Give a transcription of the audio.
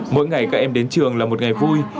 mỗi ngày các em đến trường là một ngày vui